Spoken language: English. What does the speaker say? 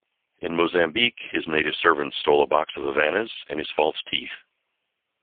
In Mozambique, his native servant stole a box of Havanas and his false teeth.